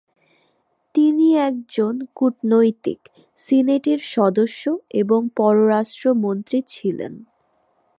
তিনি একজন কূটনৈতিক, সিনেটের সদস্য এবং পররাষ্ট্রমন্ত্রী ছিলেন।